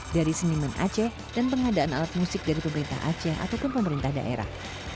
dari seniman aceh dan pengadaan alat musik dari pemerintah aceh ataupun pemerintah daerah